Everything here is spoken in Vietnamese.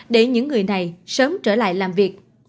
để những người này sớm trở lại làm việc